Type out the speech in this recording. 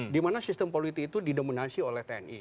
di mana sistem politik itu didominasi oleh tni